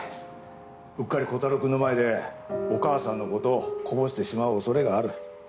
うっかりコタローくんの前でお母さんの事をこぼしてしまう恐れがある。